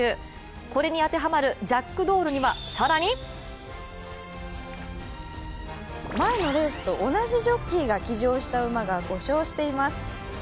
これに当てはまるジャックドールには更に前のレースと同じジョッキーが騎乗した馬が５勝しています。